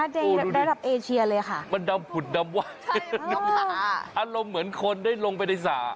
ในระดับเอเชียเลยค่ะมันดำผุดดำว่าอารมณ์เหมือนคนได้ลงไปในสระ